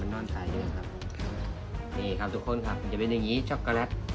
นอนตายด้วยนะครับนี่ครับทุกคนครับจะเป็นอย่างงี้ช็อกโกแลต